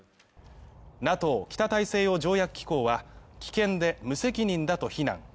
ＮＡＴＯ＝北大西洋条約機構は危険で無責任だと非難。